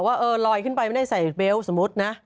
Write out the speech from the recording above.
ว่าเออลอยขึ้นไปไม่ได้ใส่เบลต์สมมุตินะ